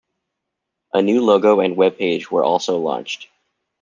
A new logo and webpage were also launched.